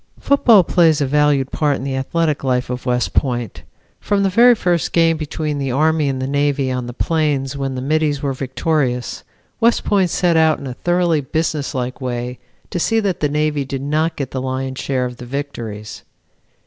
Football plays a valued part in the athletic life of West Point. From the very first game between the Army and the Navy on the plains when the Middies were victorious, West Point set out in a thoroughly businesslike way to see that the Navy did not get the lion's share of victories.